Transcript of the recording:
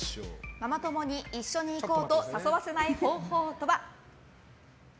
ママ友に一緒に行こうと誘わせない方法とは？